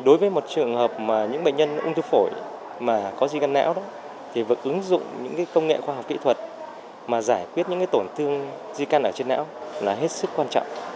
đối với một trường hợp những bệnh nhân ung thư phổi mà có di căn não thì việc ứng dụng những công nghệ khoa học kỹ thuật mà giải quyết những tổn thương di căn ở trên não là hết sức quan trọng